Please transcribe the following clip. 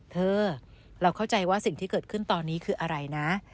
เธอเราเข้าใจว่าสิ่งที่เกิดขึ้นตอนนี้คืออะไรนะ